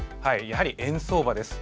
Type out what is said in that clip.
やはり円相場です。